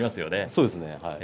そうですね。